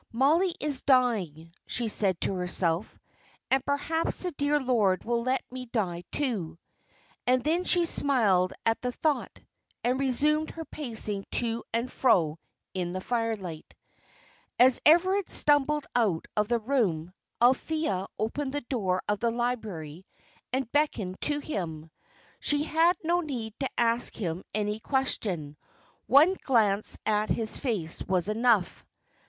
"Mollie is dying," she said to herself, "and perhaps the dear Lord will let me die, too;" and then she smiled at the thought, and resumed her pacing to and fro in the firelight. As Everard stumbled out of the room, Althea opened the door of the library and beckoned to him. She had no need to ask him any question; one glance at his face was enough.